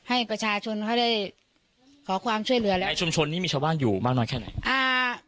ให้ประชาชนเขาได้ขอความช่วยเหลือแล้วในชุมชนนี้มีชาวบ้านอยู่มากน้อยแค่ไหนอ่า